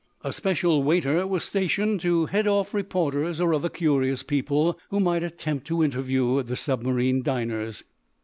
A special waiter was stationed to head off reporters or other curious people who might attempt to interview the submarine diners.